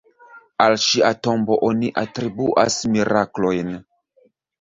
Al ŝia tombo oni atribuas miraklojn.